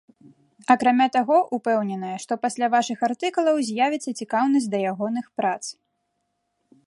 Акрамя таго, упэўненая, што пасля вашых артыкулаў з'явіцца цікаўнасць да ягоных прац.